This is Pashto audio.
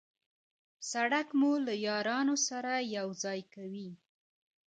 سړک مو له یارانو سره یو ځای کوي.